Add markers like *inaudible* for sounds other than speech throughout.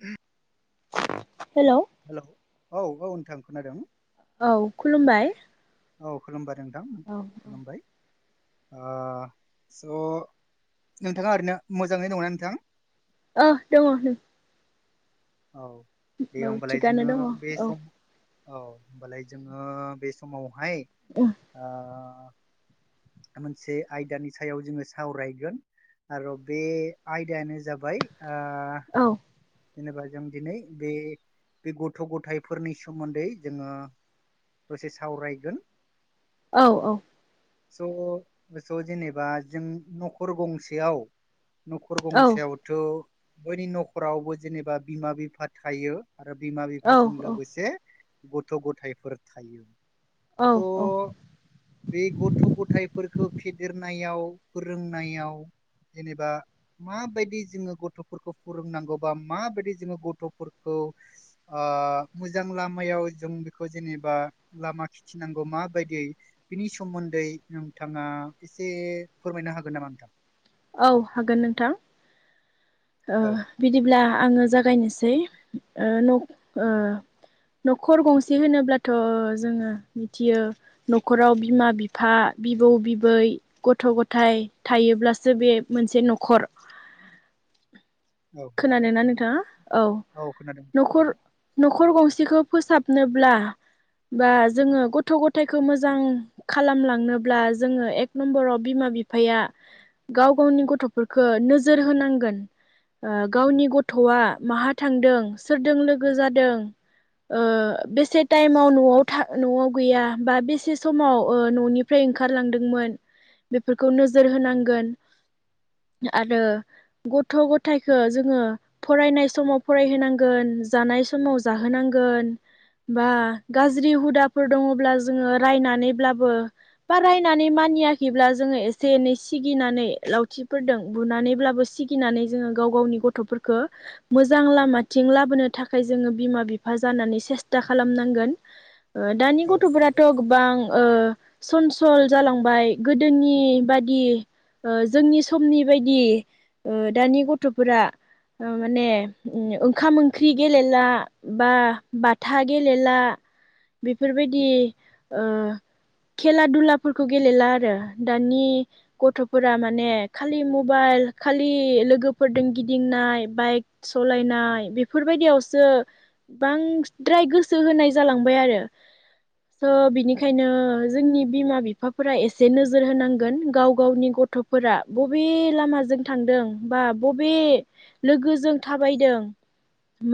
ह hello hello औ औ नोंथां खोनादों। औ खुलुमबाय। औ खुलुमबाय नोंथां ओ खुलुमबाय। ओ स' नोंथाङा ओरैनो मोजाङै दंना नोंथां? ओ दङ नै। औ दे होमबालाय थिगानो जोङो दङ बे औ सम औ होमबालाय जोङो बे समावहाय उम आ मोनसे आयदानि सायाव जोङो सावरायगोन। आरो बे आयदायानो जाबाय ओ औ जेनेबा जों दिनै बे बे गथ' गथायफोरनि सोमोन्दै जोङो दसे सावरायगोन। औ औ। स' स' जेनेबा जों नखर गंसेयाव न'खर औ गंसेयावथ' बयनि न'खरावबो जेनेबा बिमा बिफा थायो‌ आरो बिमा औ बिफाजों लोगोसे गथ' गथायफोर थायो। औ औ। थ' बे गथ' गथायफोरखौ फेदेरनायाव फोरोंनायाव जेनेबा माबायदि जोङो गथ'फोरखौ फोरोंनांगौ बा माबायदि जोङो गथ'फोरखौ खौ ओ मोजां लामायाव जों बेखौ जेनेबा लामा खिथिनांगौ मा बायदियै बिनि सोमोन्दै नोंथाङा एसे फोरमायनो हागोन नामा नोंथां? औ हागोन नोंथां ओ औ दे बिदिब्ला आङो जागायनोसै। जै ओ न' ओ औ न'खर गंसे होनोब्लाथ' जोङो मिथियो न'खराव बिमा बिफा बि बिबौ बिबै गथ' गथाय थायोब्लास सो बे मोनसे न'खर औ नंगौ खोनादोंना नोंथाङा औ खोनादों नोंथां न'खर खोनादों न' खर गंसेखौ फोसाबनोब्ला बा जोङो गथ' गथायखौ मोजां खालामलांनोब्ला जोङो एक नम्बराव बिमा बिफाया गाव गावनि गथ'फोरखौ नोजोर होनांगोन ओ गावनि गथ'आ माहा थांदों सोरदों लोगो जादों ओ बेसे टाइमाव न'आव था न'आव गैया बा बेसे समाव ओ न'निफ्राय ओंखारलांदोंमोन बेफोरखौ नोजोर होनांगोन। *inaudible* आरो गथ' गथायखो जोङो फरायनाय समाव फरायहोनांगोन जानाय समाव जाहोनांगोन। बा गाज्रि हुदाफोर दङब्ला जोङो रायनानैब्लाबो बा रायनानै मा नियाखैब्ला जोङो एसे एनै सिगिनानै लावथिफोरदों बुनानैब्लाबो सिगिनानै जोङो गाव गावनि गथ'फोरखो मोजां लामा थि थिं लाबोनो थाखाय जोङो बिमा बिफा जानानै सेस्था खालामनांगोन। ओ दानि औ गथ'फ्राथ' नंगौ गोबां ओ सनस सल जालांबाय गोदोनि बादि ओ जोंनि समनि बायदि ओ दानि गथ'फोरा ओ माने ओंखाम ओंख्रि गेलेला बा बाथा गेलेला बेफोरबायदि ओ खेला दुलाफोरखौ गेलेला आरो दानि गथ' फोरा माने खालि मबाइल खालि लोगोफोरदों गिदिंनाय बाइक सलाय नाय बेफोरबायदियावसो बांसिद्राय गोसो होनाय जालांबाय आरो। *inaudible* स' उम। बिनिखायनो जोंनि बिमा बिफाफोरा एसे नोजोर होनांगोन गाव गावनि गथ थ'फोरा बबे लामाजों थांदों बा बबे लोगोजों थाबायदों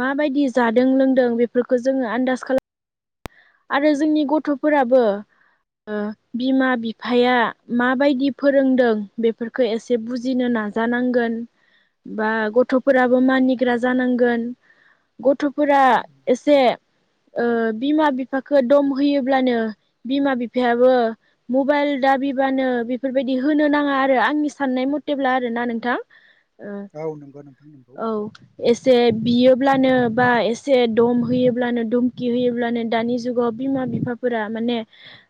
माबायदि जादों लोंदों बेफोरखौ जोङो आन्दाज खाला आरो जोंनि गथ'फोराबो ओ बिमा बिफाया माबायदि फोरोंदों बेफोरखौ एसे बुजिनो ना जानांगोन बा गथ'फोराबो मानिग्रा जानांगोन गथ' फोरा एसे ओ बिमा बि फाखो दम होयोब्लानो बिमा बिफायाबो मबाइल दाबिबानो बेफोरबायद दि होनो नाङा आरो आंनि साननाय मथेब्ला आरो ना नोंथां। ओ औ नंगौ नोंथां नंगौ औ एस से बियोब्लानो बा एसे दम होयोब्लानो दुमकि होयोब्लानो दानि जुगाव बिमा बिफाफोरा माने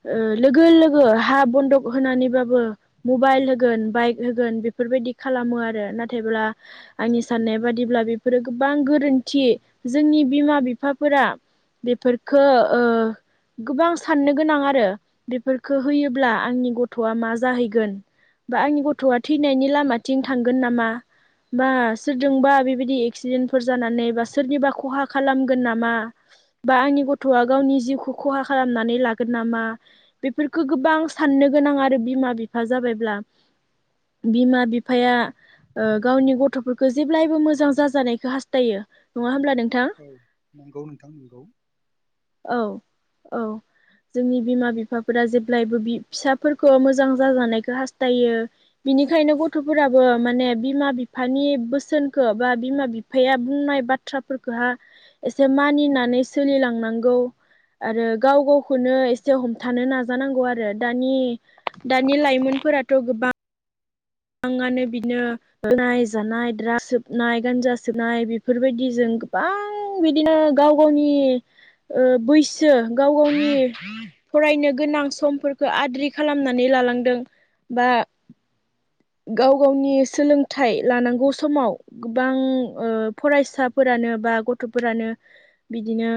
ओ लोगो लोगो हा बन्दक होनानैबाबो मबाइल होगोन बाइक होगोन बेफोरबायदि खालामो आरो नाथायब्ला आंनि साननाय बादिब ब्ला बेफोरो गोबां गोरोन्थि जोंनि बिमा बिफाफोरा बेफोरखो ओ *inaudible* गोबां साननो गोनां आरो बेफोरखो होयोब्ला आंनि गथ'आ मा जाहैगोन। बा आंनि गथ'आ थैनायनि लामाथिं थांगोन नामा? बा सोरजोंबा बेबायदि एक्सिडेन्टफोर जानानै बा सोरनिबा खहा खालामगोन नामा? बा आंनि गथ'आ गावनि जिउखौ खहा खालामनानै लागोन नामा बेफोरखो गोबां साननो गोनां आरो बिमा बि फा जाबायब्ला बिमा बिफाया ओ गावनि गथ'फोरखौ जेब्लायबो मोजां जाजानायखौ हास्थायो नङा होमब्ला नोंथां औ नंगौ नोंथां नंगौ। औ औ जोंनि बिमा बिफाफोरा जेब्लायबो बि फिसाफोरखौ मोजां जाजानायखौ हास्थायो बिनिखायनो गथफोराबो माने बिमा बिफानि बोसोनखौ बा बिमा बिफाया बुंनाय बा बाथ्राफोरखौहा एसे मानिनानै सोलिलांनांगौ आरो गाव गावखौनो एसे हमथानो नाजानांगौ आरो दानि दानि लाइफ मोनफोराथ गोबां ङानो बिदनो लोनाय जानाय द्राग्स सोबनाय गान्जा सोबनाय बेफोरबायदि जों गोबां बिदिनो गाव गावनि ओ बैसो गाव गावनि फरायनो गोनां समफोरखौ आद्रि खालामनानै जालांदों बा गाव गावनि सोलोंथाइ लानांगौ समाव गोबां ओ फरायसाफोरा नों बा गथ'फोरानो बिदिनो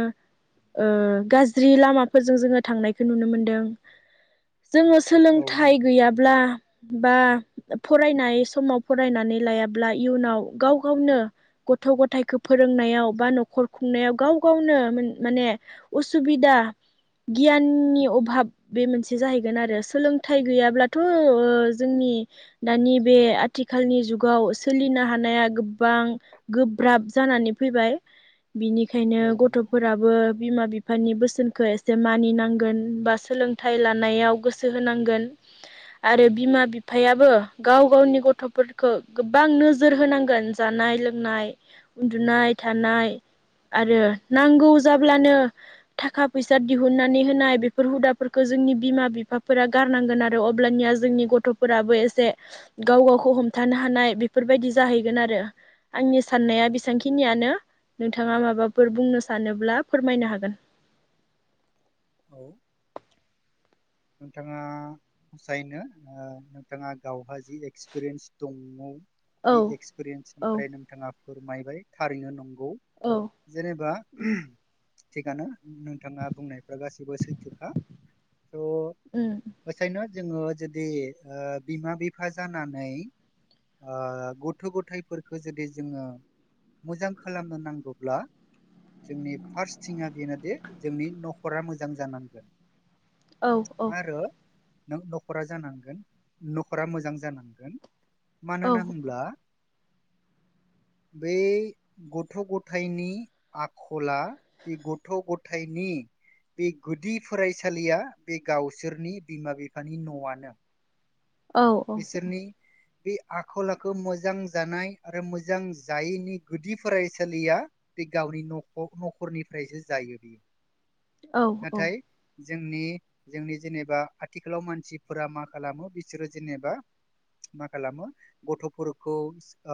ओ गाज्रि लामाफोरजों जोङो थांनायखौ नुनो मोनदों। जोङो औ सोलोंथाइ नंगौ नोंथां गैयाब्ला बा फरायनाय समाव फरायनानै लायाब्ला इयुनाव गाव गावनो गथ' गथाइखौ फोरोंनायाव बा न'खर खुंनायाव गाव गावनो माने उसुबिदा दा गियाननि अभाब बे मोनसे जाहैगोन आरो सोलोंथाइ गैयाब्लाथ' ओ जोंनि नि दानि बे आथिखालनि जुगाव सोलिनो हानाया गोबां गोब्राब जानानै फैबाय बिनिखायनो औ नंगौ गथ'फोराबो बिमा बिफानि बोसोन खौ एसे मानिनांगोन बा सोलोंथाइ लानायाव गोसो होनांगोन। आरो बिमा बिफायाबो गाव गावनि गथ'फोरखौ गोबां नोजोर होनांगोन जानाय लोंनाय उन्दुनाय थानाय आरो नांगौ जाब्लानो थाखा फैसा दिहुननानै होनाय बेफोर हुदाफोरखौ जोंनि बिमा बिफाफोरा गारनांगोन आरो अब्लानिया जोंनि गथ'फोराबो एसे गाव गावखौ हमथानो हानाय बेफोरबायदि जाहैगोन आरो आंनि साननाया बेसांखिनियानो नोंथाङा माबाफोर बुंनो सानोब्ला फोरमायनो हागोन। औ। नोंथाङा फसायनो नोंथाङा गावहाय जि एक्सपिरियेन्स दङ औ बे औ एक्सपिरियेन्सनिफ्राय नोंथाङा फोरमायबाय थारैनो नंगौ औ जेनेबा उम थिगानो नोंथाङा बुंनायफ्रा गासिबो सैथोखा। थ' उम। बेखायनो जोङो जुदि ओ बिमा बिफा जानानै ओ गथ' गथायाइफोरखौ जुदि जोङो मोजां खालामनो नांगौब्ला जोंनि फार्स्ट थिंआ बेनोदि जोंनि न'खरा मोजां जानांगोन। औ औ। आरो नों न'खरा जानांगोन न'खरा मोजां जानांगोन मानो औ होनना होनब्ला *inaudible* बै गथ' गथाइनि आखला बे गथ' गथायनि बे गुदि फरायसालिया बे गावसोरनि बिमा बिफानि न'आनो औ औ औ। बिसोरनि बे आखल आखु मोजां जानाय आरो मोजां जायैनि गुदि फरायसालिया बे गावनि नख न'खरनिफ्रायसो जायो बियो। औ औ। जोंनि जोंनि जेनेबा आथिखालाव मानसिफोरा मा खालामो बिसोरो जेनेबा मा खालामो गथ'फोरखौ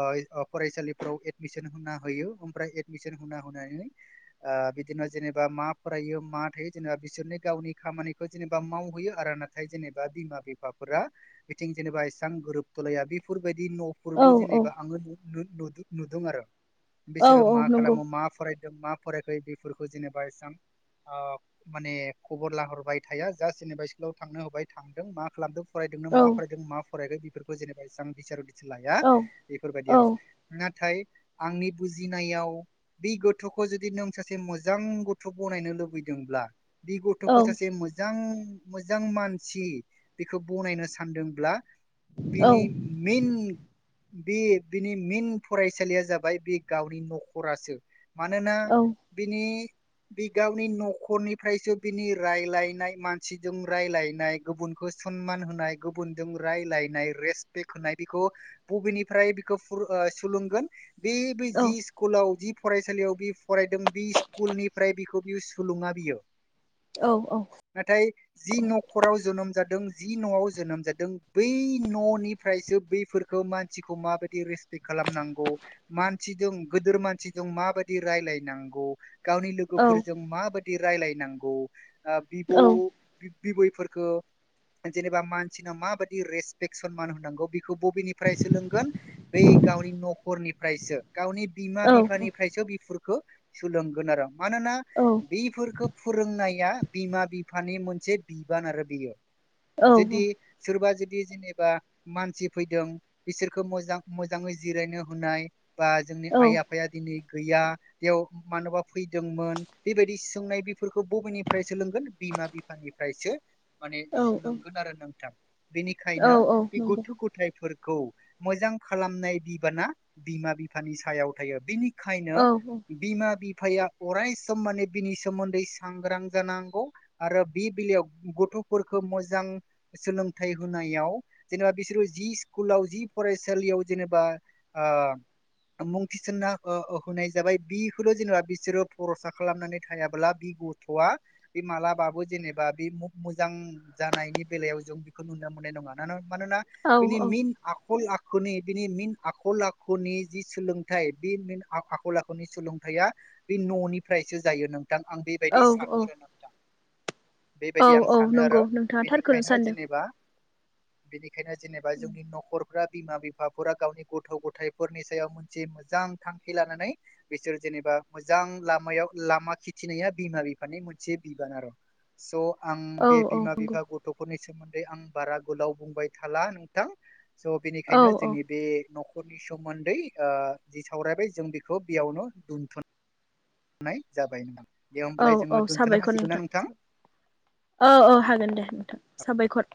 ओ फरायसालिफोराव एदमिसन होना होयो ओमफ्राय एडमिसन हना होनानै ओ बिदिनो जेनेबा मा फरायो मा थायो जेनबा बिसोरनि गावनि खामानिखौ जेनेबा मावहैयो आरो नाथाय जेनेबा बिमा बिफाफोरा बिथिं जेनेबा एसां गोरोबथलाया बेफोरबायदि न'फोरबो औ जेनेबा आङो नु-नु-नुदों आरो औ बिसोरो औ मा नंगौ खालामो मा फरायो। जों मा फरायखो बेफोरखौ जेनबा एसां ओ माने खबर लाहरबाय थाया जास्ट जेनेबा स्कुलाव थांनो होबाय थांदों मा खालामदों फरायदोंनो औ मा फरायदों मा फरायखो बेफोरखौ जेनेबा एसेबां बिसार उदिस लाया औ बेफोरबायदि आरो औ नाथाय आंनि बुजिनायाव बे गथ'खौ जुदि नों सासे मोजां गथ' बनायनो लुबैदों ब्ला बे गथ'खौ औ औ सासे मोजां मोजां मानसि बेखौ बनायनो सान सानदोंब्ला औ बिनि मेन बे बिनि मेन फरायसालिया जाबाय बे गावनि न'खरासो। मानोना औ बिनि बि गावनि न'खरनिफ्रायसो बिनि रायलायनाय मानसिजों रायलायनाय गुबुन खो सनमान होनाय गुबुनजों रायलायनाय रेसपेक्ट होनाय बेखौ बबेनिफ्राय बेखौ फुर ओ सुलोंगोन। बे बै औ जि स्कुलाव जि फरायसालियाव बि फरायदों बि स्कुलनिफ्राय बिखौ बियो सुलुङा बियो। औ नाथाय जि न'खराव जोनोम जादों जि न'आव जोनोम जादों बै न'निफ्रायसो बैफोरखौ मानसिखौ माबायदि रेसपेक्ट खालामनांगौ मानसिजों गोदोर मानसिजों माबायदि रायलायनांगौ गावनि लोगोफोरजों माबादि रायलायनांगौ ओ बिबौ बिबैफोरखौ जेनेबा मान सिनो माबादि रेसपेक सनमान होनांगौ बेखौ बबेनिफ्राय सोलोंगोन बे गावनि न'खरनि फ्रायसो गावनि बिमा औ बिफानिफ्रायसो बिफोरखौ सोलोंगोन आरो। मानोना बेफोरखौ फोरोंनाया बिमा बिफानि मोनसे बिबान आरो बेयो। औ जुदि बुं। सोरबा जुदि जेनेबा मानसि फैदों बिसोरखो मोजां मोजाङै जिरायनो होनाय बा जोंनि आइ आफाया दिनै गैया बेयाव मानोबा फैदोंमोन बेबायदि सोंनाय बिफोरखौ बबेनिफ्राय सोलोंगोन बिमा बिफानिफ्रायसो माने औ सोलोंगोन आरो नों थां बेनिखायनो औ बे नंगौ गथ' गथायफोर खौ मोजां खालामनाय बिबाना बिमा बिफानि सायाव थायो बिनि खायनो औ बिमा बि फाया अराय सम माने बिनि सोमोन्दै सांग्रां जानांगौ आरो बि बिलायाव गथ' फोरखौ मोजां सोलोंथाइ होनायाव जेनेबा बिसोरो जि स्कुलाव जि फरायसालियाव जेनेबा ओ ओ मुं थिसनना ओ होनाय जाबाय बिखौल' जेनेबा बिसोरो भरसा खालामनानै थायाब्ला बि गथ'वा बे मालाबाबो जेनेबा बे मु मोजां जानायनि बेलायाव जों बेखौ नुनो मोननाय नङा मानोना औ बिनि मेन आखल आ आखुनि बिनि मेन आखल आखुनि जि सोलोंथाइ बे मेन आ आखल आखुनि सोलोंथाइया बे न'निफ्रायसो जायो नोंथां आं औ बेबायदि सानो आरो नोंथां। औ बेबायदि आं औ सानो नंगौ आरो नोंथाङा थार बेनिखायनो जेनेबा बिनिखायनो जेनेबा जोंनि न'खर बिमा बिफाफोरा गावनि गथ' गथायफोरनि सायाव मोनसे मोजां थांखि लानानै बिसोरजों जेनेबा मोजां लामायाव लामा खिथिनाया बिमा बिफानि मोनसे बिबान आरो स' आं औ बे औ बिमा नंगौ बिफा गथ' सोमोन्दै आं बारा गोलाव बुंबाय थाला नोंथां स' औ बेनिखायनो औ जोंनि बे न'खर फोरनि सोमोन्दै ओ जि सावरायबाय जों बेखौ बेयावनो दोनथ'नो नाय जाबाय नोंथां। औ-औ जोङो दोनथ'नो साबायखर हासिगोन ना नोंथां औ-औ हागोन दे नोंथां। साबायखर